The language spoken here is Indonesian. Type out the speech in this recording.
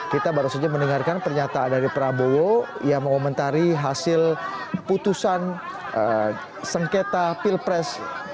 kita baru saja mendengarkan pernyataan dari prabowo yang mengomentari hasil putusan sengketa pilpres